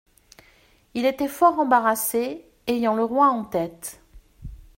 Il était fort embarrassé, ayant le roi en tête.